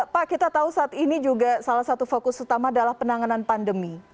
pak kita tahu saat ini juga salah satu fokus utama adalah penanganan pandemi